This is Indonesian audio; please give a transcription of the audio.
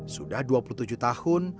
sudah dua puluh tujuh tahun